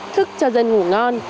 thức cho dân ngủ ngon